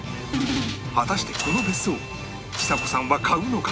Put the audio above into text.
果たしてこの別荘をちさ子さんは買うのか？